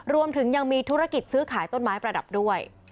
รวมถึงยังมีธุรกิจซื้อขายต้นไม้ประดับด้วย